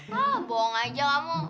hah bohong aja kamu